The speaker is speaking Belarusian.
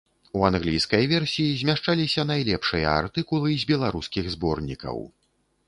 У англійскай версіі змяшчаліся найлепшыя артыкулы з беларускіх зборнікаў.